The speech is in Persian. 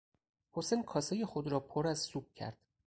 حسین کاسهی خود را پر از سوپ کرد.